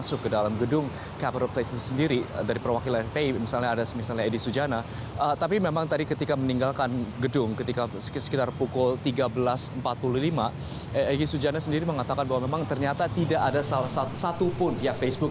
sujana sendiri mengatakan bahwa memang ternyata tidak ada salah satupun pihak facebook